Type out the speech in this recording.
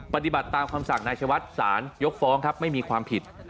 ปฏิบัติตามคำสั่งนายชวัดสารยกฟ้องครับไม่มีความผิด